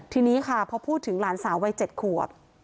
ทีนี้ค่ะพอพูดถึงหลานสาววัย๗ขวบ